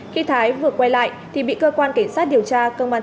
khi thái vừa quay lại thì bị cơ quan cảnh sát điều tra công an tỉnh an giang